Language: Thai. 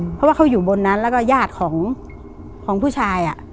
เพราะว่าเขาอยู่บนนั้นแล้วก็ญาติของผู้ชาย